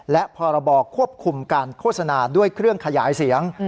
และพรบควบคุมการโฆษณาด้วยเครื่องขยายเสียง